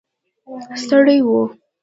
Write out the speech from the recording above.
ستړي و.